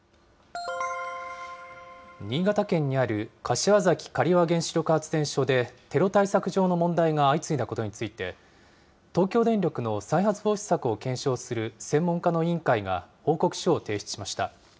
新潟県にある柏崎刈羽原子力発電所でテロ対策上の問題が相次いだことについて、東京電力の再発防止策を検証する専門家の委員会が、報告書を提出しました。